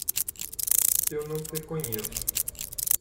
Eu não te conheço!